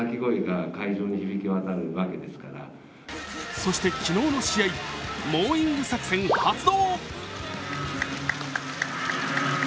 そして昨日の試合、モーイング作戦発動。